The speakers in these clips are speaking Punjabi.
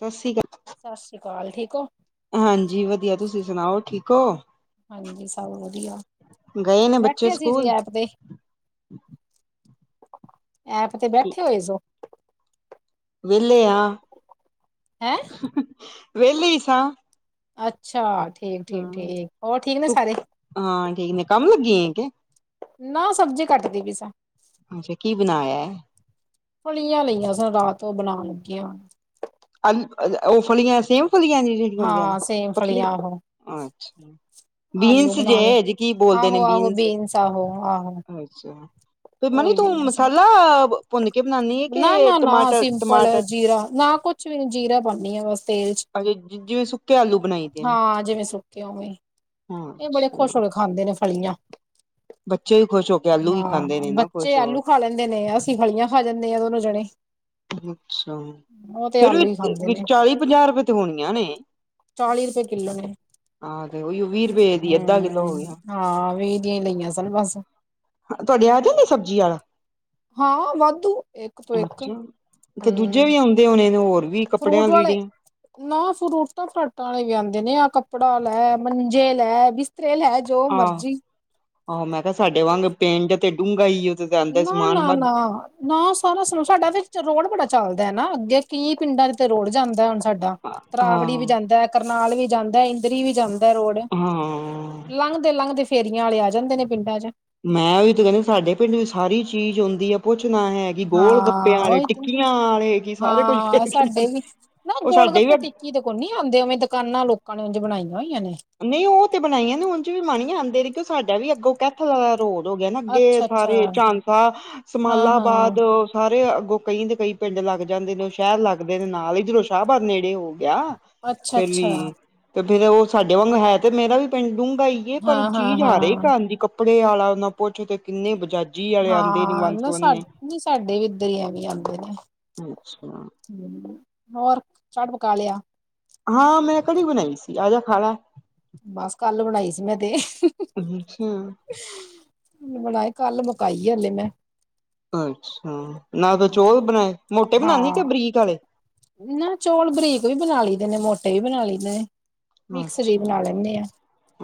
ਸੱਸੀ [unintelligible] ਸ਼ਸ਼ੀ ਕਾਲ ਠੀਕ ਓ? ਹਾਂਜੀ ਵਧੀਆ ਤੁਸੀਂ ਸੁਣਾਓ ਠੀਕ ਓ? ਹਾਂਜੀ ਸਭ ਵਧੀਆ ਗਏ ਨੇ ਬੱਚੇ ਬੈਠੇ ਸੀ ਜੀ ਸਕੂਲ ਐਪ ਤੇ। ਐਪ ਤੇ ਬੈਠੇ ਹੋਏ ਸੋ ਵੇਲੇ ਆ। ਹੈਂ? ਵੇਲੇ ਈ ਸਾਂ। ਅੱਛਾ ਹਾਂ ਠੀਕ-ਠੀਕ-ਠੀਕ ਹੋਰ ਠੀਕ ਨੇ ਤੂੰ ਸਾਰੇ? ਹਾਂ ਠੀਕ ਨੇ ਕੰਮ ਲੱਗੀ ਏ ਕੇ? ਨਾ ਸਬਜ਼ੀ ਕੱਟਦੀ ਪਾਈ ਸਾਂ। ਅੱਛਾ ਕੀ ਬਣਾਇਐ? ਫਲੀਆਂ ਲਈਆਂ ਸਨ ਰਾਤ ਓ ਬਣਾਨ ਲੱਗੀ ਆ। ਆਲ ਅਲ ਓ ਫਲੀਆਂ ਸੇਮ ਫਲੀਆਂ ਜੀਆਂ ਜੇੜੀਆ ਹੁੰਦੀਆਂ ਨੇ ਹਾਂ ਸੇਮ ਪਤਲੇ ਫਲੀਆਂ ਆਹੋ ਅੱਛਾ। ਆਲੂ ਬੀਨਸ ਜੇ ਬਣਾਏ ਜੀ ਕੀ ਬੋਲਦੇ ਨੇ ਆਹੋ ਆਹੋ ਬੀਨਸ ਆਹੋ ਆਹੋ ਅੱਛਾ। ਫੇ ਮਨੀ ਉਹੀ ਤੂੰ ਲਈਆਂ ਸੀ ਮਸਾਲਾ ਭੁੰਨ ਕੇ ਬਣਾਨੀ ਏ ਨਾ ਕੇ ਨਾ ਟਮਾਟਰ-ਟਮਾਟ ਕੁੱਛ ਵੀ ਨੀ ਜ਼ੀਰਾ ਪੋਣੀ ਆ ਬਸ ਤੇਲ ਚ ਜਿਵੇਂ ਸੁੱਕੇ ਆਲੂ ਬਣਾਈ ਦੇ ਨੇ ਹਾਂ ਜਿਵੇਂ ਸੁੱਕਿਆ ਹੋਏ। ਏ ਬੜੇ ਖੁਸ਼ ਹੋ ਅੱਛਾ ਕੇ ਖਾਂਦੇ ਨੇ ਫਲੀਆਂ। ਬੱਚੇ ਵੀ ਖੁਸ਼ ਹੋ ਕੇ ਆਲੂ ਹੀ ਖਾਂਦੇ ਨੇ ਹਾਂ ਨਾ ਬੱਚੇ ਖੁਸ਼ ਹੋ ਆਲੂ ਖਾ ਲੈਂਦੇ ਨੇ ਅ ਸੀਂ ਫਲੀਆਂ ਖਾ ਜਾਂਦੇ ਆ ਦੋਨੋ ਜਣੇ। ਅੱਛਾ, ਉਹ ਤੇ ਫੇਰ ਆਲੂ ਹੀ ਖਾਂਦੇ ਵੀ ਨੇ ਚਾਲੀ ਪੰਜਾਹ ਰੁਪਏ ਤੇ ਹੋਣੀਆਂ ਨੇ। ਚਾਲੀ ਰੁਪਏ ਕਿੱਲੋ ਨੇ। ਹਾਂ ਤੇ ਓਈਓ ਵੀਹ ਰੁਪਏ ਦੀ ਅੱਧਾਂ ਹਮ ਕਿਲੋ ਹੋ ਗਿਆ। ਹਾਂ ਵੀਹ ਦੀਆਂ ਈ ਲਈਆਂ ਸਨ ਬਸ। ਤੁਹਾਡੇ ਆ ਜਾਂਦੇ ਸਬਜ਼ੀ ਆਲਾ। ਹਾਂ ਵਾਧੂ ਇੱਕ ਤੋਂ ਇੱਕ। ਏਥੇ ਦੂਜੇ ਹਮ ਵੀ ਆਉਂਦੇ ਹੋਣੇ ਨੇ ਹੋਰ ਵੀ ਕੱਪੜਿਆਂ ਫਰੂਟ ਵਾਲੇ ਲੀੜਿਆਂ ਨਾ ਫਰੂਟਾਂ -ਫਰਾਟਾਂ ਆਲੇ ਵੀ ਆਉਂਦੇ ਨੇ ਆ ਕੱਪੜਾ ਲੈ, ਮੰਜੇ ਲੈ, ਬਿਸਤਰੇ ਲੈ ਜੋ ਆਹ, ਮਰਜੀ ਆਹ ਮੈਂ ਕਿਹਾ ਸਾਡੇ ਵਾਂਗ ਪਿੰਡ ਤੇ ਡੂੰਘਾ ਈ ਏ ਨਾ, ਨਾ, ਨਾ ਨਾ ਸਾਰਾ ਸੁਣੋ ਸਾਡਾ ਵੀ ਰੋਡ ਬੜਾ ਚੱਲਦਾ ਆ ਨਾ ਅੱਗੇ ਕੀ ਪਿੰਡਾਂ ਚ ਤੇ ਰੋਡ ਜਾਂਦਾ ਹੁਣ ਸਾਡਾ। ਹਾਂ ਤਰਾਵੜੀ ਵੀ ਜਾਂਦਾ, ਕਰਨਾਲ ਵੀ ਜਾਂਦਾ, ਇੰਦਰੀ ਵੀ ਜਾਂਦਾ ਰੋਡ। ਹਾਂ ਲੰਘਦੇ, ਲੰਘਦੇ ਫੇਰੀਆਂ ਵਾਲੇ ਆ ਜਾੰਦੇ ਨੇ ਪਿੰਡਾਂ ਚ। ਮੈਂ ਉਹੀ ਤਾਂ ਕਹਿੰਦੀ ਤੂਹਾਡੇ ਪਿੰਡ ਵਿੱਚ ਸਾਰੀ ਚੀਜ਼ ਆਉਂਦੀ ਹੈ ਪੁੱਛਣਾ ਹੈ ਕਿ ਗੋਲ ਹਾਂ ਗੱਪਿਆਂ ਆਲੇ, ਉਹੀ ਤੇ ਟਿੱਕੀਆਂ ਆਲੇ, ਕਿ ਸਾਰੇ ਕੁੱਝ ਹਾਂ ਖੇਡ- ਖੇਡਾਰੀ ਉਹ ਸਾਡੇ ਵੀ ਕੀਦੇ ਕੋਨੀ ਆਂਦੇ ਉਵੇਂ ਦਕਾਨਾ ਲੋਕਾਂ ਨੇ ਉੰਝ ਬਣਾਈਆਂ ਹੋਈਆਂ ਨੇ। ਨਹੀਂ ਉਹ ਤੇ ਬਣਾਈਆਂ ਨੇ ਉਂਝ ਚ ਵੀ ਮਾਨੀਆਂ ਆਂਦੇ ਨੇ ਕਿ ਸਾਡਾ ਵੀ ਅੱਗੋਂ ਕੈਥਲ ਰੋਡ ਹੋ ਗਿਆ ਨਾ ਅੱਗੇ ਅੱਛਾ ਅੱਛਾ ਸਾਰੇ ਝਾਂਸਾ, ਹਾਂ ਹਾਂ ਸਮਾਲਾਬਾਦ ਸਾਰੇ ਅੱਗੋਂ ਕਈ ਦੇ ਕਈ ਪਿੰਡ ਲੱਗ ਜਾਂਦੇ ਨੇ ਸ਼ਹਿਰ ਲੱਗਦੇ ਨੇ ਨਾਲ, ਈਧਰੋ ਸ਼ਾਹਬਾਦ ਨੇੜੇ ਹੋ ਗਿਆ। ਅੱਛਾ ਫੇਰ ਅੱਛਾ ਵੀ ਤੇ ਫੇਰ ਉਹ ਸਾਡੇ ਵਾਂਗ ਹੈ ਤੇ ਮੇਰਾ ਵੀ ਪਿੰਡ ਡੂੰਘਾ ਈ ਕਿ ਪਰ ਹਾਂ ਹਾਂ ਚੀਜ਼ ਆ ਰਹੀ ਹਾਂ ਕਾਨ ਦੀ ਕੱਪੜੇ ਆਲਾ ਨਾ ਪੋਛ ਕਿੰਨੇ ਬਜਾ ਹਾਂ ਨਾ ਸਾ ਨਹੀਂ ਸਾਡੇ ਵੀ ਇੱਧਰ ਹੀ ਐਵੇਂ ਈ ਆੰਦੇ ਨੇ। ਅੱਛਾ ਹੂ ਹੋਰ ਸਭ ਪਕਾ ਲਿਆ। ਹਾਂ ਮੈਂ ਕੜੀ ਬਣਾਈ ਸੀ, ਆਜਾ ਖਾਲੈ। ਬਸ ਕੱਲ ਬਣਾਈ ਸੀ, ਮੈਂ ਤੇ ਅੱਛਾ ਬਣਾਈ, ਕੱਲ ਮੁਕਾਈ ਹਲੇ ਮੈਂ। ਅੱਛਾ, ਮੈਂ ਤਾਂ ਚੋਲ ਵੀ ਬਣਾਏ ਮੋਟੇ ਬਣਾਉਣੀ ਕਿ ਬਰੀਕ ਆਲੇ? ਨਹੀਂ ਚੋਲ ਬਰੀਕ ਵੀ ਬਣਾ ਲਈਦੇ ਨੇ, ਮੋਟੇ ਵੀ ਬਣਾ ਲਈਦੇ ਨੇ। ਮਿਕਸ ਜਿਹੀ ਅੱਛਾ, ਬਣਾ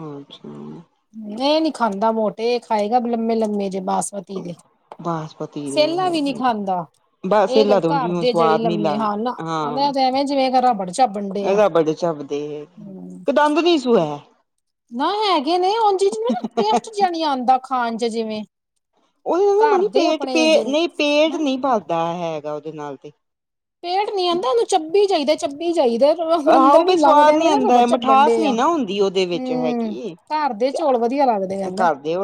ਅੱਛਾ। ਯੇਹ ਨੀ ਖਾਂਦਾ ਮੋਟੇ, ਏ ਖਾਏਗਾ ਲੰਮੇ, ਲੰਮੇ ਜੇ ਬਾਂਸਪਤੀ ਦੇ। ਬਾਸਪਤੀ ਦੇ ਸੇਲਾ ਵੀ ਨਹੀ ਹੈਗੇ ਖਾਂਦਾ। ਇਹ ਬਾਸੀਲਾ ਤੋਂ ਘਰ ਜਿਵੇਂ ਦੇ ਜਿਹੜੇ ਸਵਾਦ ਨੀਲਾ ਲੰਮੇ ਹਨ, ਮੈਂ ਤੇ ਇਨ੍ਹਾਂ ਐਵੇਂ ਜਿਵੇਂ ਰਬੜ ਚਾਬਣ ਡੇ ਆ ਰਬੜ ਝੱਪਦੀ ਏ, ਹੂੰ ਇੱਕ ਦੰਦ ਨਹੀਂ ਸੂ ਹੈ। ਨਾ ਹੈਗੇ ਨੇ, ਉਂਝ ਜਿਵੇਂ ਨਾ ਟੇਸਟ ਜਾ ਆਂਦਾ ਖਾਣ ਚ ਜਿਵੇਂ ਉਹਦੇ ਨਾਲ ਨਾ ਘਰ ਮ ਦੇ ਪੇਟ ਆਪਣੇ ਪੇ ਹੈਂ ਨਹੀਂ ਪੇਟ ਨਹੀ ਭਰਦਾ ਹੈਗਾ ਉਹਦੇ ਨਾਲ ਤੇ ਪੇਟ ਨੀ ਆਂਦਾ, ਉਹਨੂੰ ਚੱਬੀ ਜਾਹੀਦਾ, ਚੱਬੀ ਜਾਹੀਦਾ। ਆਹੋ ਨੰਦਰ ਨੀ ਵੀ ਲੰਘਦੇ, ਸਵਾਦ ਇਵੇ ਨੀ ਲਗਦਾ ਆਉਂਦਾ ਰਬੜ ਹੈ ਚੱਬਣ ਮਿਠਾਸ ਡੇ ਨੀ ਆ, ਨਾ ਹੁੰਦੀ ਉਹਦੇ ਵਿੱਚ ਹਮ ਹੈਗੀ ਘਰ ਦੇ ਚੌਲ ਵਧੀਆ ਲੱਗਦੇ ਕਿਹਦਾ। [unintelligible] ਪਾਵੇ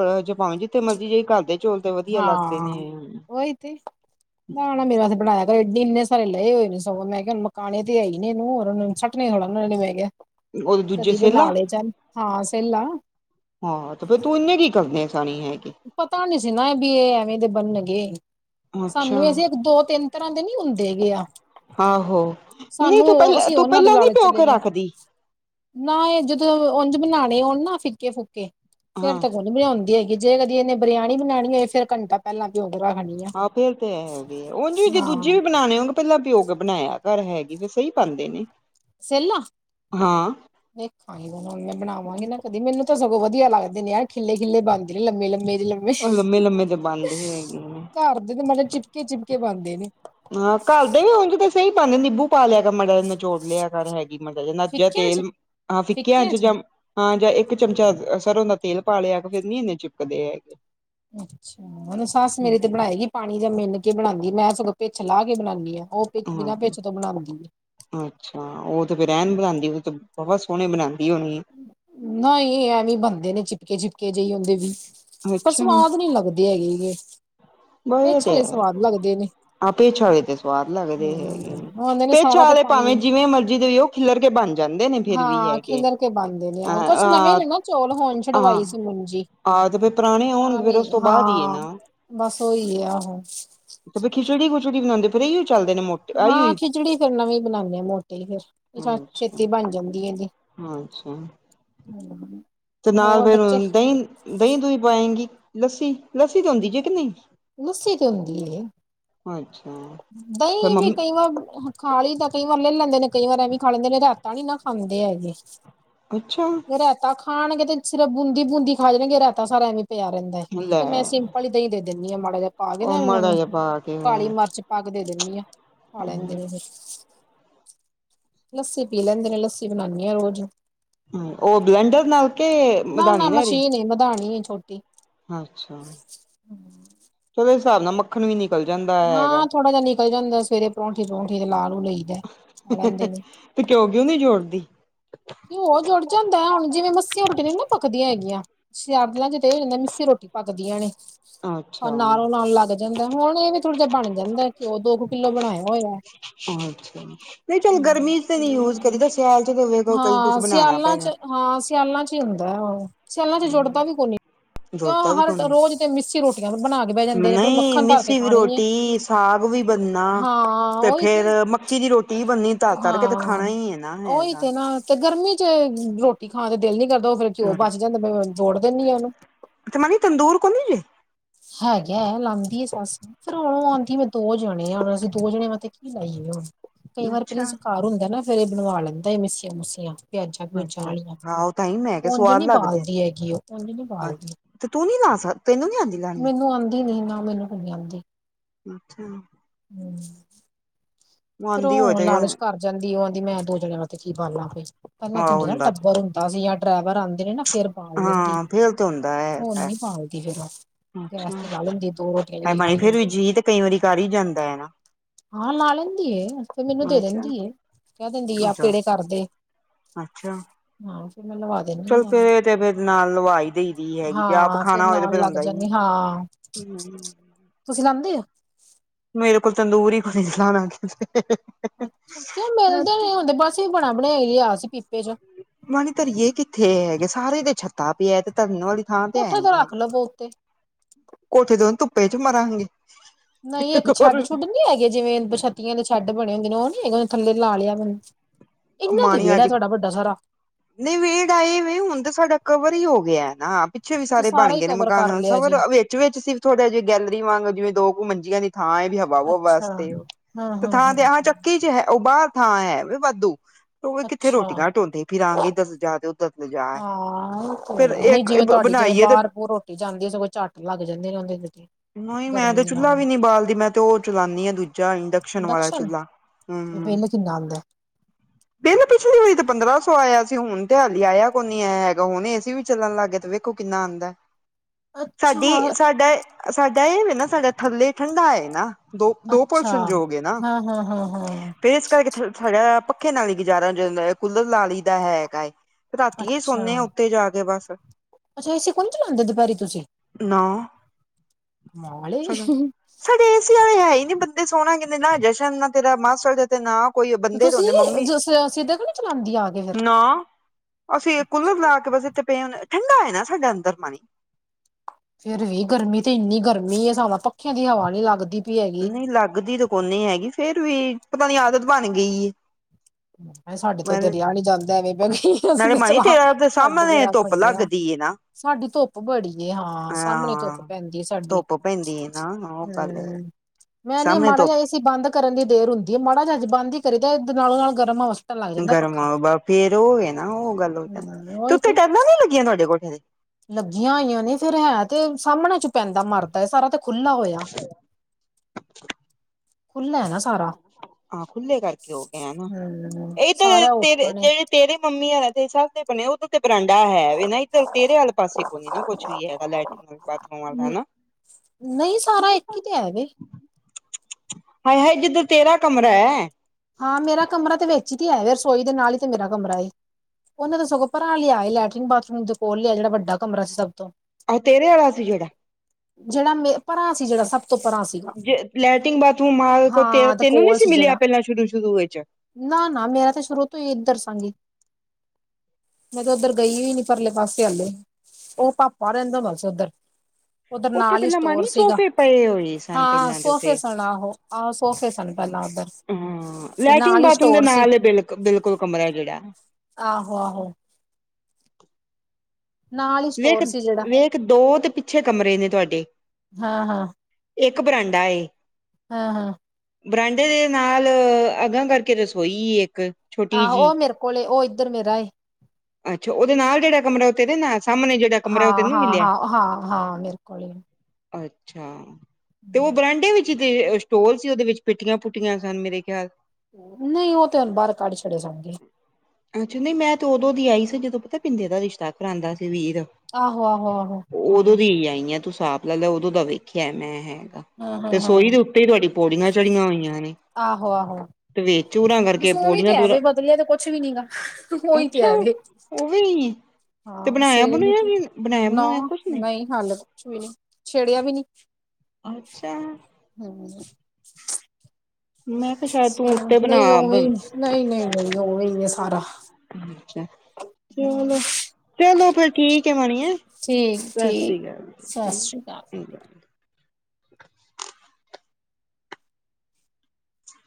ਜਿੱਥੇ ਮਰਜੀ ਜਾਈਏ ਘਰਦੇ ਚੋਲ ਤੇ ਵਧੀਆ ਲੱਗਦੇ ਨੇ। ਓਹੀ ਤੇ। ਦਾਣਾ ਮੇਰਾ ਥ ਬਣਾਇਆ ਘਰੇ, ਇੰਨੇ ਸਾਰੇ ਲਏ ਹੋਏ ਨੇ ਸਗੋਂ ਮੈਂ ਕਿਹਾ ਮਕਾਣੇ ਤੇ ਆਈ ਨੇ ਇਹਨੂੰ ਹੋਰ ਸ ਹੋਣਾ ਉਹਨਾਂ ਨੇ ਮੈਂ ਕਿਹਾ, ਉਹ ਦੂਜੇ ਕਦੀ ਵੀ ਸੇਲਾ ਨਾਲੇ ਚ ਹਾਂ ਸੇਲਾ ਆਹੋ ਤੇ ਫੇਰ ਤੂੰ ਇੰਨੇ ਕੀ ਕਰਦੇ ਆ ਸਾਣੀ ਹੈਗੀ। ਪਤਾ ਨੀ ਸੀ ਨਾ ਵੀ ਇਹ ਐਵੇਂ ਦੇ ਬਣਨ ਗਏ, ਅੱਛਾ ਸਾਨੂੰ ਵੀ ਅਸੀਂ ਇੱਕ ਦੋ ਤਿੰਨ ਤਰ੍ਹਾਂ ਦੇ ਨੀ ਹੁੰਦੇ ਹੇਗੇ ਆ। ਆਹੋ ਨਹੀਂ ਸਾਨੂੰ ਤੂੰ ਪਹਿਲੇ ਅਸੀਂ ਤੂੰ ਉਹਨਾਂ ਦੇ ਪਹਿਲਾਂ ਨੀ ਲਾਲਚ ਚ ਪਿਓ ਲੈ ਕੇ ਲਏ ਰੱਖਦੀ‌। ਨਾ ਇਹ ਜਦੋਂ ਉਝ ਬਣਾਨੇ ਆਣ ਨਾ ਫਿੱਕੇ -ਫੁਕੇ ਫਿਰ ਹਾਂ ਤ ਬਣਾਉਦੀ ਹੈਗੀ, ਜੇ ਕਦੀ ਇਹਨੇ ਬਰਿਆਣੀ ਬਣਾਉਣੀ ਹੋਵੇ ਫੇਰ ਘੰਟਾ ਪਹਿਲਾਂ ਪੀਂਓ ਕੇ ਰੱਖਦੀ ਆ। ਹਾਂ ਫੇਰ ਤੇ ਇਹ ਵੀ ਉਝ ਵੀ ਜੇ ਦੂਜੀ ਹਾਂ ਵੀ ਬਣਾਣੇ ਹੋਗੇ ਪਹਿਲਾਂ ਭਿਉਂ ਕੇ ਬਣਾਇਆ ਕਰ, ਹੈਗੀ ਫਿਰ ਸਹੀ ਬੰਣਦੇ ਨੇ ਸੇਲਾ, ਹਾਂ ਇਹ ਖਾਏ ਗਾ। ਹੁਣ ਮੈਂ ਬਣਾਵਾਂਗੀ ਨਾ ਕਦੀ, ਮੈਨੂੰ ਤਾਂ ਸਗੋਂ ਵਧੀਆ ਲੱਗਦੇ ਨੇ, ਐ ਖਿਲੇ- ਖਿਲੇ ਬਣਦੇ ਨੇ, ਲੰਮੇ- ਲੰਮੇ ਲੰਮੇ ਲੰਮੇ ਤੇ ਬਣਦੇ ਹੈਗੇ ਨੇ ਘਰ ਦੇ ਤੇ ਮਤਲਬ ਚਿਪਕੇ -ਚਿਪਕੇ ਬਣਦੇ ਨੇ। ਹਾਂ, ਘਰਦੇ ਵੀ ਉਂਝ ਤਾਂ ਸਹੀ ਪਾਂਦੇ ਨਿਬੂ ਪਾ ਲਿਆ ਕਰ, ਮਾੜਾ ਜਿਹਾ ਨਿਚੋੜ ਲਿਆ ਕਰ ਹੈਗੀ ਮਾੜਾ ਜ਼ਿਆਦਾ ਫਿੱਕਿਆਂ ਚ ਤੇਲ ਹਾਂ ਫਿੱਕਿਆਂ 'ਚ ਜਾਂ ਹਾਂ ਜਾਂ ਇੱਕ ਚਮਚਾ ਸਰੋਂ ਦਾ ਤੇਲ ਪਾ ਲਿਆ ਫੇਰ ਨੀ ਇੰਨੇ ਚਿਪਕਦੇ ਹੈਗੇ। ਅੱਛਾ! ਹੁਣ ਸੱਸ ਮੇਰੀ ਤੇ ਬਣਾਏਗੀ ਪਾਣੀ ਜਾਂ ਮਿੰਨ ਕੇ ਬਣਾਦੀ, ਮੈਂ ਸਗੋਂ ਪਿੱਛ ਲਾਹ ਕੇ ਬਣਾਨੀ। ਆ, ਉਹ ਪਿਛ, ਹਾਂ ਬਿਨਾਂ ਪਿਛ ਤੋਂ ਬਣਾਉਂਦੀ। ਅੱਛਾ! ਉਹ ਤੇ ਫਿਰ ਐਣ ਬਣਾਦੀ, ਉਹ ਤੇ ਬਹੁਤ ਸੋਹਣੇ ਬਣਾ ਨਈ, ਐਵੇਂ ਬਣਦੇ ਨੇ ਚਿਪਕੇ -ਚਿਪਕੇ ਜਿਹੇ ਓਂਦੇ ਵੀ, ਪਰ ਅੱਛਾ ਸਵਾਦ ਨਹੀਂ ਲੱਗਦੇ। ਹੈਗੇ ਗੇ ਪਿਛ ਵਾਲੇ ਸਵਾਦ ਲੱਗਦੇ ਨੇ। ਆ ਪਿਛ ਵਾਲੇ ਤੇ ਸਵਾਦ ਲੱਗਦੇ ਹੈਗੇ ਨੇ, ਹਮ ਉਹਦੇ ਪਿਛ ਸਾਰਾ ਤੇ ਵਾਲੇ ਭਾਵੇਂ ਪਾਣੀ ਜਿਵੇਂ ਮਰਜ਼ੀ ਦੇਇਓ ਖਿਲਰ ਕੇ ਬਣ ਜਾਂਦੇ ਨੇ ਫਿਰ ਵੀ ਹਾਂ, ਹੈਗੇ। ਖਿਲਰ ਕੇ ਬਣਦੇ ਨੇ ਆ ਹਾਂ ਕੁਛ ਨਵੇਂ ਅ ਨਾ ਚੌਲ ਹੁਣ ਹਾਂ ਛੱਡਵਾਈ ਸੀ ਮੰਜੀ। ਆਹ ਤੇ ਫਿਰ ਪੁਰਾਣੇ ਹੋਣਗੇ ਫੇਰ ਉਸ ਤੋਂ ਬਾਅਦ ਹੀ ਹੈ ਨਾ। ਬਸ ਓਹੀ ਐ, ਆਹੋ। ਫਿਰ ਖਿਚੜੀ ਖੁਚੜ ਬਣਾਦੇ ਫਰੀ ਹੀ ਚੱਲਦੇ ਨੇ ਮਟ ਹਾਂ ਖਿਚੜੀ ਫਿਰ ਨਵੀਂ ਬਣਾਨੀ ਆ ਮੋਟੀ ਫਿਰ, ਕਿ ਚਲ ਅੱਛਾ ਛੇਤੀ ਬਣ ਜਾਂਦੀ ਜੀ। ਅੱਛਾ! ਹੈਲੋ! ਤੇ ਨਾਲ ਫੇਰ ਦਹੀਂ- ਦਹੀਂ, ਦੂਹੀਂ ਪਾਏਂਗੀ ਲੱਸੀ- ਲੱਸੀ ਤੇ ਹੁੰਦੀ ਜੇ ਕਿ ਨੀਂ ਲੱਸੀ ਤੇ ਹੁੰਦੀ ਏ ਅੱਛਾ ਫਿਰ ਦਹੀਂ ਵੀ ਮੰਮੀ ਕਈ ਵਾਰ ਖਾ ਲਈ ਤਾਂ ਕਈ ਵਾਰ ਲੈ ਲੈਂਦੇ, ਕਈ ਵਾਰ ਐ ਵੀ ਖਾ ਲੈਂਦੇ ਨੇ, ਰੈਤਾ ਨੀਂ ਖਾਂਦੇ ਹੈਗੇੇ। ਅੱਛਾ! ਰੈਤਾ ਖਾਣਗੇ ਤੇ ਸਿਰਫ਼ ਬੂੰਦੀ -ਬੂੰਦੀ ਖਾ ਜਾਣਗੇ, ਰੈਤਾ ਸਾਰਾ ਏਵੇਂ ਪਿਆ ਰਹਿੰਦਾ ਲੈ ਤੇ ਮੈਂ ਸਿੰਪਲ ਹੀ ਦਹੀਂ ਦੇ ਦਿੰਦੀ ਆਂ ਮਾੜੇ ਜਿਹਾ ਪਾ ਕੇ ਨਾ ਉਹ ਇਹਨਾਂ ਨੂੰ, ਮਾੜਾ ਜਿਹਾ ਪਾ ਕੇ ਕਾਲੀ ਮਿਰਚ ਪਾ ਕੇ ਦੇ ਦਿੰਦੀ ਆ, ਖਾ ਲੈਂਦੇ ਨੇ ਫਿਰ। ਲੱਸੀ ਪੀ ਲੈਂਦੇ ਨੇ, ਲੱਸੀ ਬਣਾਉਨੀ ਆ ਰੋਜ਼। ਉਹ ਬਲੈਂਡਰ ਨਾਲ ਕੇ ਨਾ -ਨਾ ਮਧਾਣੀ ਨਾਲ ਮਸ਼ੀਨ ਨੀ, ਮਧਾਣੀ ਏ ਛੋਟੀ ਅੱਛਾ! ਚਲੋ ਇਹ ਹਿਸਾਬ ਨਾਲ ਮ ਮੱਖਣ ਵੀ ਨਿਕਲ ਜਾਂਦਾ। ਹਾਂ ਹੈਗਾ ਥੋੜਾ ਜਿਹਾ ਨਿਕਲ ਜਾਂਦਾ, ਸਵੇਰੇ ਪਰੌਂਠੀ -ਪਰੌਂਠੀ ਤੇ ਲਾ ਲੂ ਲਈਦਾ, ਖਾ ਲੈਂਦੇ ਨੇ। ਤੇ ਘਿਉ ਘੀਉ ਨਹੀਂ ਜੋੜਦੀ? ਘਿਉ ਜੁੜ ਜਾਂਦਾ ਐ, ਹੁਣ ਜਿਵੇਂ ਮਿੱਸੀਆਂ ਰੋਟੀ ਨੀ ਨਾ ਪੱਕਦੀਆਂ ਹੈਗੀਆਂ। ਸਰਦੀਆਂ ਚ ਤੇ ਏ ਹੁੰਦਾ ਮਿੱਸੀ ਰੋਟੀ ਪਕਦੀਆਂ ਨੇ। ਹਾਂ ਅੱਛਾ ਨਾਲੋਂ ਨਾਲ ਲੱਗ ਜਾਂਦਾ, ਹੁਣ ਇਹ ਵੀ ਥੋੜਾ ਜਿਹਾ ਬਣ ਜਾਂਦਾ ਘਿਉ, ਦੋ ਕੁ ਕਿੱਲੋ ਬਣਾਇਆ ਹੋਇਆ। ਅੱਛਾ! ਨਹੀਂ ਚੱਲ ਗਰਮੀ ਚ ਤਾਂ ਨੀ ਯੂਜ ਕਰੀਦਾ, ਸਿਆਲ ਚ ਵੇਖ ਕਈ ਕੁਛ ਹਾਂ ਬਣਾਣਾ ਸਿਆਲਾਂ ਚ ਪੈਂਦਾ। ਹਾਂ ਸਿਆਲਾਂ ਚ ਹੀ ਹੁੰਦਾ ਏ, ਸਿਆਲਾਂ ਚ ਜੁੜਦਾ ਵੀ ਕੋ ਨੀਂ ਜੁੜਦਾ ਵੀ ਕੋਈ, ਰੋਟੀਆਂ ਬਣਾ ਕੇ ਬਹਿ ਜਾਂਦੇ ਨੇ ਫਿਰ ਨਹੀਂ ਮੱਖਣ ਧਰ ਕੇ ਮਿੱਸੀ ਵੀ ਖਾਣੀ ਹੈ ਰੋਟੀ ਸਾਗ ਵੀ ਬਣਨਾ ਹਾਂ ਤੇ ਉਹੀ ਫੇਰ ਮੱਕੀ ਦੀ ਰੋਟੀ ਵੀ ਬਣਨੀ। ਤਾਂ ਕਰ ਕੇ ਤੇ ਹਾਂ ਖਾਣਾ ਇਨ੍ਹਾਂ ਨਾ ਉਹੀ ਹੈਗਾ। ਤੇ ਨਾ ਤੇ ਗਰਮੀ ਚ ਰੋਟੀ ਖਾਣ ਤੇ ਦਿਲ ਨੀ ਕਰਦਾ, ਉਹ ਫਿਰ ਘਿਓ ਬਚ ਜਾਂਦਾ ਫਿਰ ਮੈਂ ਜੋੜ ਦਿੰਦੀ ਓਨੂੰ। ਤੇ ਮਣੀ ਤੰਦੂਰ ਕੋ ਨੀ ਜੇ? ਹੈਗਾ ਲੈਂਦੀ ਏ ਸੱਸ। ਫਿਰ ਹੁਣ ਅੰਟੀ ਮੈਂ ਦੋ ਜਣੇ ਆਂ, ਅਸੀਂ ਦੋ ਜਣੇ ਵਾਸਤੇ ਕੀ ਲਾਈਏ ਹੁਣ। ਕਈ ਵਾਰ ਅੱਛਾ ਪਿ੍ਂਸ ਘਰ ਹੁੰਦਾ ਏ ਨਾ ਫੇਰ ਏ ਬਣਵਾ ਲੈਂਦਾ ਐ ਮਿੱਸੀਆਂ ਮੁਸੀਆਂ। ਪਿਆਜਾਂ ਪਿਊਜਾਂ ਅੱਛਾ ਵਾਲੀਆਂ ਆਹੋ ਤਾਂਹੀ ਮੈਂ ਕਿਹਾ ਉੰਝ ਸਵਾਦ ਨੀ ਲੱਗਦੇ ਬਾਲਦੀ ਹੈਗੀ ਓ ਉੰਝ ਨੀ ਬਾਲਦੀ। ਤੇ ਤੂੰ ਨੀ ਨਾ ਲਾ ਸਕ ਤੈਨੂੰ ਨੀ ਆਂ ਮੈਨੂੰ ਆਂਦੀ ਨੀ ਨਾ ਮੈਨੂੰ ਕੋਨੀ ਆਂਦੀ। ਅੱਛਾ। ਹੂੰ। ਫੇਰ ਓ ਆਉਂਦੀ ਹੋਏ ਹੋਨ ਤੇ ਲਾਲਚ ਆਹ ਕਰ ਜਾਂਦੀ। ਓ ਆਂਦੀ ਮੈਂ ਦੋ ਜਣੇਆਂ ਵਾਸਤੇ ਕੀ ਬਾਲਾਂ ਪਈ ਪੈਲਾਂ ਤ ਹੁੰਦ ਸੀ ਨਾ ਹੁੰਦਾ ਟੱਬਰ ਹੁੰਦਾ ਸੀ ਯਾ ਡਰੈਵਰ ਆਂ ਨੇ ਨਾ ਫੇਰ ਬਾਲ ਲੈਂਦੀ। ਹਾਂ ਫੇਲ ਤੇ ਹੁੰਦਾ ਹੋਨ ਹੈ। ਨੀ ਬਾਲਦੀ ਫੇਰ ਓ। ਗੈਸ ਤੇ ਈ ਲਾ ਅੱਛਾ। ਲੈਂਦੀ ਏ ਦੋ ਰੋਟੀਆਂ ਜੇੜੀਆਂ ਮਨ ਲਾਣੀਆਂ ਫੇਰ ਵੀ ਹੁੰਦੀ ਆਂ। ਜੀਅ ਤੇ ਕਈ ਵਾਰੀ ਕਰ ਹੀ ਜਾਂਦਾ ਹੈ ਨਾ। ਹਾਂ ਲਾ ਲੈਂ ਤੇ ਮੈਨੂੰ ਦੇ ਅੱਛਾ। ਦਿੰਦੀ ਏ। ਕੈ ਦੇਂਦੀ ਏ ਆ ਅੱਛਾ, ਪੇੜੇ ਕਰਦੇ। ਅੱਛਾ। ਹਾਂ ਫੇਰ ਮੈਂ ਲਵਾ ਦਿੰਦੀ ਹਾਂ ਚੱਲ ਫੇਰ ਨਾਲ ਏ ਤੇ ਫੇਰ ਨਾਲ ਲਵਾਈ ਦਈ ਦੀ ਹੈਗੀ ਜੇ ਆਪ ਹਾਂ ਖਾਣਾ ਹੋਵੇ ਤੇ ਨਾਲ ਫੇਰ ਲੱਗ ਹੁੰਦਾ ਈ ਏ। ਜਾਂਦੀ ਹੂੰ। ਤੁਸੀ ਲਾਂਦੇ ਓ? ਮੇਰੇ ਕੋਲ ਤੰਦੂਰੀ ਕੋਈ ਤੇ ਲਾਨਾ ਕੀ ਅੱਛਾ। ਕਉਂ ਮਿਲਦੇ ਨੇ ਹੁਨ ਤੇ ਬਸੀ ਵੀ ਬਣਾ ਬਣਾਏਆ ਈ ਲੇਆ ਸੀ ਪੀਪੇ ਚ। ਨਾਲੇ ਧਰੀਏ ਕਿੱਥੇ ਹੈਗੇ ਸਾਰੇ ਤੇ ਛੱਤਾ ਪੇਆ ਤੇ ਧਰਨ ਵਾਲੀ ਥਾਂ ਹੈ ਕੋਠੇ ਤੇ ਨੀ ਹੈ। ਰੱਖ ਲਵੋ ਉੱਤੇ। ਕੋਠੇ ਤੇ ਹੁਨ ਧੁੱਪੇ ਚ ਮਰਾਂਗੇ। ਨਈ ਏਕ ਸੈ਼ਡ ਸੁੱਡ ਨੀ ਹੈਗੇ। ਜਿਵੇਂ ਛੱਤੀਆਂ ਦੇ ਸੈ਼ਡ ਬਣੇ ਹੁੰਦੇ ਨੇ ਓ ਨੀ ਹੈਗੇ ਨ ਥੱਲੇ ਲਾ ਲੇਆ ਮਨ ਓ ਮਾਣੀ ਅੱਜ। ਨਈ ਵੇੜਾ ਇਵੇ ਹੁਨ ਤਾਂ ਸਾਡਾ ਕਵਰ ਈ ਹੋ ਗੇਆ ਨਾ। ਪਿੱਛੇ ਵੀ ਅੱਛਾ ਸਾਰੇ ਬਣ ਸਾਰਾ ਹੀ ਗੇ ਨੇ ਕਵਰ ਕਰ ਮਕਾਨ ਸ ਲਿਆ ਜੇ ਵਿੱਚ-ਵਿੱਚ ਸੀ ਥੋੜਾ ਜੇ ਗੈਲਰੀ ਵਾਂਗ ਜਿਵੇਂ ਦੋ ਕੁ ਮੰਜੀਆਂ ਦੀ ਥਾਂ ਏ ਵੀ ਹਵ ਵਾਵੋ ਅੱਛਾ ਵਾਸਤੇ ਹਾਂ ਤੇ ਹਾਂ ਥਾਂ ਤੇ ਹਾਂ ਆ ਚੱਕੀ ਚ ਹੈ। ਓ ਬਾਰ ਥਾਂ ਹੈ ਵੇ ਵਾਧੂ। ਓਈ ਕਿੱਥੇ ਅੱਛਾ ਰੋਟੀਆਂ ਟੌਂਦੇ ਫਿਰਾਂਗੇ। ਦਰ ਜਾ ਤੇ ਓਦਰ ਲਜਾ। ਹਾਂ, ਓ ਤੇ ਹੈ ਈ ਨਈ ਜਿਵੇਂ ਤੁਆਡੀ ਜਿਵੇਂ ਬਣਾਈਏ ਤੇ ਬਾਰ ਬੁਰ ਰੋਟੀ ਜਾਂਦੀ ਸਗੋਂ ਚੱਟ ਲੱਗ ਜਾਂਦੇ ਨੇ ਔਂਦੇ ਵਿਚੇ। ਨਹੂ ਮੈਂ ਤੇ ਚੁੱਲ੍ਹਾ ਵੀ ਨੀ ਬਾਲਦੀ। ਮੈਂ ਤੇ ਓ ਚਲਾਨੀ ਆਂ ਦੂਜਾ ਇੰਡਕਸ਼ਨ ਵਾਲਾ ਚੁੱਲਾ। ਹੂੰ। ਬਿੱਲ ਕਿੰਨਾ ਆਂਦੇ? ਬਿੱਲ ਪਿਛਲੀ ਵਾਰੀ ਤੇ ਪੰਦਰਾਂ ਸੌ ਆਏਆ ਸੀ। ਹੁਨ ਤੇ ਹਾਲੀ ਆਏਆ ਕੋ ਨੀ ਐ ਹੈਗਾ। ਹੁਨ ਤੇ ਏਸੀ ਵੀ ਚੱਲਣ ਲੱਗਗੇ ਤੇ ਵੇ ਖੋ ਕਿੰਨਾ ਆਂਦਾ ਐ। [inaudible] ਅੱਛਾ ਸਾਡੀ, ਸਾਡਾ, ਸਾਡਾ ਏ ਵੇ ਨਾ ਸਾਡਾ ਥੱਲੇ ਠੰਡਾ ਏ ਨਾ। ਦੋ, ਦੋ ਅੱਛਾ ਪੋਰਸ਼ਨ ਜੋ ਹੋਗੇ ਨਾ। ਹਾਂ ਹਾਂ ਹਾਂ ਹਾਂ ਤੇ ਏਸ ਕਰਕੇ ਸਾਡਾ ਪੱਖੇ ਨਾਲ ਈ ਗੁਜਾਰਾ ਹੋ ਜਾਂਦਾ ਹੈਗਾ ਏ। ਕੂਲਰ ਲਾ ਲਈ ਦਾ ਹੈਗਾ ਏ। ਰਾਤੀਏ ਅੱਛਾ ਸੋਨੇ ਆ ਉੱਤੇ ਜਾ ਕੇ ਬਸ। ਅੱਛਾ, ਏਸੀ ਕੋਨੀ ਚਲਾਂਦੇ ਦੁਪੈਰੀ ਤੁਸੀ ਨਾ ਕਮਾਲ ਏ। ਸਾਡੇ ਸਾਡੇ ਏਸੀ ਵਾਲੇ ਹੈ ਈ ਨੀ ਬੰਦੇ ਸੋਣਾ ਕਿੰਨੇ ਨਾ ਜਸ਼ਨ, ਨਾ ਤੇਰਾ ਮਾਸੜ ਤੇ ਨਾ ਕੋਈ ਤੇ ਬੰਦੇ। ਦੇ ਤੁਸੀਂ ਮੰਮੀ, ਸਿੱਧਾ ਕਿਉਂ ਨੀ ਚਲਾਉਂਦੀ ਆ ਕੇ ਨਾ ਅਸੀ ਕੁੱਲਰ ਫਿਰ ਲਾ ਤੇ ਬਸ ਏਥੇ ਪਏ ਹੁੰਨੇ ਠੰਡਾ ਏ ਨਾ ਸਾਡਾ ਅੰਦਰ ਪਾਣੀ। ਫੇਰ ਵੀ ਗਰਮੀ ਤੇ ਇੰਨੀ ਗਰਮੀ ਏ ਸਵਾਂ ਪੱਖੇਆਂ ਦੀ ਹਵਾ ਨੀ ਲੱਗਦੀ। ਪਈ ਹੈਗੀ। ਨਈ, ਲੱਗਦੀ ਤਾਂ ਕੋਨੀ ਹੈਗੀ, ਫੇਰ ਵੀ ਪਤਾ ਨੀ ਆਦਤ ਬਨ ਗਈ ਏ। ਹਾਏ, ਸਾਡੇ ਤੋਂ ਮੈਂ ਤਾਂ ਰਿਆ ਨੀ ਜਾਂਦਾ ਐਵੇਂ ਪਏ ਕਹੀਏ। ਅਹ ਨਾਲੇ ਸਮੁਚ ਮਣੀ ਰਹਾ, ਤੇਰਾ ਤੇ ਛੱਡ ਕੇ ਸਾਹਮਣੇ ਰਾਹ ਫੜ ਧੁੱਪ ਲਿਆ। ਲੱਗਦੀ [unintelligible] ਏ ਨਾ ਸਾਡੀ ਧੁੱਪ ਬੜੀ ਏ ਹਾਂ, ਸਾਮਣੇ ਹਾਂ ਧੁੱਪ ਪੈਂਦੀ ਏ ਸਾਡੀੇ, ਧੁੱਪ ਪੈਂਦੀ ਏ ਨਾ ਉਹ ਗੱਲ ਹੈ ਹੂੰ। ਮੈਂ ਨੀ, ਸਾਹਮਣੇ ਮਾੜਾ ਧੁੱਪ ਜੇ ਏ, ਸੀ ਬੰਦ ਕਰਨ ਦੀ ਦੇਰ ਹੁੰਦੀ ਏ, ਮਾੜਾ ਜੇਆ ਜੇ ਬੰਦ ਈ ਕਰੀਦੈ, 'ਤੇ ਨਾਲੋਂ -ਨਾਲ ਗਰਮ ਹਵਸ। ਗਰਮ ਹਵਾ, ਫੇਰ ਓ ਏ ਨਾ ਉਹ ਗੱਲ, ਹੂੰ 'ਤੇ ਉੱਤੇ ਟੈਲਾਂ ਨੀ ਲੱਗੀਆਂ ਤੁਹਾਡੇ ਕੋਠੇ ਤੇ? ਲੱਜੀਆਂ ਹੋਈਆ ਨੇ, ਫੇਰ ਹੈ ਤੇ ਸਾਮਣੇ 'ਚ ਪੈਂਦਾ ਮਰ। ਐਹ ਸਾਰਾ ਤੇ ਖੁੱਲ੍ਹਾ ਹੋਇਆ, ਖੁੱਲਾ ਹੈ ਨਾ। ਸਾਰਾ ਹਾਂ ਖੁੱਲੇ ਕਰਕੇ ਹੋ ਗਿਆ ਨਾ, ਹੂੰ ਇਹ ਤਾਂ ਸਾਰਾ ਤੇਰੇ ਓਪਨ ਏ। ਜੇੜੇ ਤੇਰੀ ਮੰਮੀ ਆਲਾ ਦੇ ਹਿਸਾਬ ਦੇ ਬਨਿਆ ਓਦੋਂ। 'ਤੇ ਬ੍ਰਾਂਡਾ ਹੈ ਵੇ ਨਾ ਇੱਧਰ? ਤੇਰੇ ਆਲੇ- ਪਾਸੇ ਕੋਈ ਨਾ ਕੁੱਛ ਵੀ ਹੈਗਾ, ਲੈਟ ਬਾਥਰੂਮ ਵਲ ਹੈਨਾ? ਨਈ, ਸਾਰਾ ਇੱਕ ਈ 'ਤੇ ਹੈ ਵੇ। ਹਾਏ-ਹਾਏ, ਜਿਦੱਰ ਤੇਰਾ ਕਮਰਾ ਹੈ। ਹਾਂ, ਮੇਰਾ ਕਮਰਾ 'ਤੇ ਵਿੱਚ ਈ 'ਤੇ ਹੈ ਵੇ, ਰਸੋਈ ਦੇ ਨਾਲ ਈ 'ਤੇ ਮੇਰਾ ਕਮਰਾ ਏ। ਉਨਾ ਤਾਂ ਸਗੋਂ ਪਰਾਂ ਲੇਆ ਏ, ਲੈਟ੍ਰਿਨ ਬਾਥਰੂਮ ਦੇ ਕੋਲ ਲੇਆ, ਜੇੜਾ ਵੱਡਾ ਕਮਰਾ ਸੀ ਸਭ ਤੋਂ। ਆਹ, ਤੇਰੇ ਆਲਾ ਸੀ ਜੇੜਾ। ਜਿਹੜਾ ਮੇ ਪਰ੍ਹਾ ਜੇ ਲੈਟ੍ਰਿਨ ਬਾਥਰੂਮ ਮਾਲ ਕੋ ਹਾਂ ਤੇ ਤੈਨੂੰ ਨੀ ਸੀ ਮਿਲਿਆ ਪੈਲਾਂ ਸ਼ੁਰੂ- ਸ਼ੁਰੂ ਵਿੱਚ। ਨਾ-ਨਾ, ਮੇਰਾ ਤਾਂ ਸ਼ੁਰੂ ਤੋਂ ਈ ਇਧਰ ਸਾਂਗੀੇ। ਮੈਂ ਤੇ ਓੱਧਰ ਗਈ ਈ ਨੀ, ਪਰਲੇ ਪਾਸੇ ਹਾਲੇ। ਓ ਭਾਪਾ ਰੈਂਦਾ ਬਸ ਓੱਧਰ। ਓੱਧਰ ਉੱਥੇ ਨਾਲ ਈ ਪਹਿਲਾਂ ਸਟੋਰ ਮਾਨੀ ਸੀਗਾ। ਸੋਫੇ ਪਏ ਹੋਏ ਸਨ ਹਾਂ, ਪਹਿਲਾਂ ਦੇ ਸੋਫੇ ਉੱਤੇ ਸਨ ਆਹੋ। ਆਹੋ, ਸੋਫੇ ਸਨ ਪੈਲਾਂ ਉੱਦਰ। ਹਾਂ, ਲੈਟਿਨ-ਬਾਥਰੂਮ ਦੇ ਨਾਲ ਏ ਬਿਲ- ਬਿਲਕੁਲ ਕਮਰਾ ਜੇੜਾ। ਆਹੋ-ਆਹੋ। ਨਾਲ ਹੀ ਵੇਖ, ਸਟੋਰ ਸੀ ਜਿਹੜਾ ਵੇਖ ਦੋ 'ਤੇ ਪਿੱਛੇ ਕਮਰੇ ਨੇ ਤੁਹਾਡੇ। ਹਾਂ ਹਾਂ ਇੱਕ ਬ੍ਰਾਂਡਾ ਏ। ਹਾਂ-ਹਾਂ। ਬਰਾਂਡੇ ਦੇ ਨਾਲ ਅੱਗਾਂ ਕਰਕੇ ਰਸੋਈ ਏ ਇੱਕ। ਛੋਟੀ ਆਹੋ ਜਿਹੀ ਉਹ ਮੇਰੇ ਕੋਲ ਏ, ਉਹ ਇੱਦਰ ਮੇਰਾ ਏ। ਅੱਛਾ, ਓਦੇ ਨਾਲ ਜੇੜਾ ਕਮਰਾ ਓ ਤੇਰੇ ਨਾ, ਸਾਮਣੇ ਜੇ ਹਾਂ-ਹਾਂ-ਹਾਂ-ਹਾਂ-ਹਾਂ, ਮੇਰੇ ਕੋਲ ਏ। ਅੱਛਾ, 'ਤੇ ਉਹ ਬਰਾਂਡੇ ਵਿੱਚ ਜਿਦੇ ਸਟੋਲ ਸੀ ਉਦੇ ਵਿੱਚ ਪੇਟੀਆਂ ਪੁੱਟੀਆਂ ਸਨ, ਮੇਰੇ ਖਿਆਲ। ਨਈ, ਉਹ ਤੇ ਹੁਨ ਬਾਰ ਕੱਢ ਛਡੇ ਜਾਨਗੇ। ਅੱਛਾ, ਨਈ ਮੈਂ ਤੇ ਉਦੋਂ ਦੀ ਆਈ ਸੀ, ਜਦੋਂ ਪਤੈ, ਪਿੰਦੇ ਦਾ ਰਿਸ਼ਤਾ ਕਰਾਂਦਾ ਸੀ ਵੀਰ। ਆਹੋ ਆਹੋ ਆਹੋ ਓਦੋਂ ਆਹੋ ਦੀ ਆਈ ਆ, ਤੂੰ ਹਿਸਾਬ ਲਾ ਲੈ, ਓਦੋਂ ਦਾ ਵੇਖਿਆ ਮੈਂ ਹੈਗਾ। ਹਾਂ ਹਾਂ ਰਸੋਈ ਦੇ ਹਾਂ ਉੱਤੇ ਈ ਤੁਹਾਡੀ ਪੌੜੀਆਂ ਚੜੀਆਂ ਹੋਈਆਂ ਨੇ, ਆਹੋ ਆਹੋ ਤੇ ਵਿਚ ਉਰਾਂ ਬਸ ਓਵੇਂ ਤੇ ਹੈ ਵੇ, ਬਦਲਿਆ ਤੇ ਕੁਛ ਵੀ ਨੀ ਗਾ, ਓਈ ਤੇ ਅੱਛਾ ਹੈ ਵੇ। ਉਹ ਵੀ ਤੇ ਹਾਂ, ਬਣਾਇਆ ਸੇਮ ਈ ਬਣੂਇਆ 'ਤੇ, ਵੀ ਬਣਾਇਆ ਨਾ, ਬਣਾਇਆ ਕੁਛ ਨੀ ਨਈ ਹਾਲੇ। ਕੋਈ ਨੀ, ਛੇੜਿਆ ਵੀ ਨੀ। ਅੱਛਾ। ਹੂੰ। ਮੈਂ ਕਿਹਾ ਸ਼ਾਇਦ ਤੂੰ ਸੇਮ, ਉੱਤੇ ਬਣਾ ਨਈ ਉਵੇਂ, ਬਣ ਨਈ-ਨਈ-ਨਈ, ਉਵੇਂ ਈ ਏ ਸਾਰਾ। ਅੱਛਾ ਚਲੋ ਚਲੋ ਫਿਰ ਠੀਕ ਏ ਬਣ ਠੀਕ ਸਤਿ ਠੀਕ ਸ੍ਰੀ ਆਕਾਲ ਸਤਿ ਠੀਕ ਹੈ ਸ੍ਰੀ ਅਕਾਲ ਠੀਕ ਹੈ